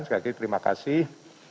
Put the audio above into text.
sekali lagi terima kasih